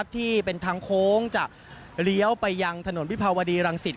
ที่เป็นทางโค้งจะเลี้ยวไปยังถนนวิภาวดีรังสิต